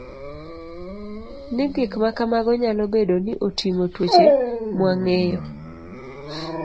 ni gik ma kamago nyalo bedo ni oting'o tuoche mwang'eyo